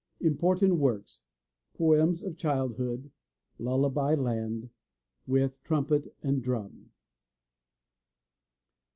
Important Works: Poems of Childhood. Lullaby Land. With Trumpet and Drum.